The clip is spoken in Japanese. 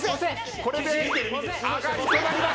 これで上がりとなります。